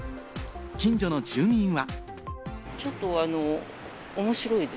近所の住民は。